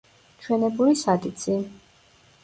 ჩვენებური სად იცი?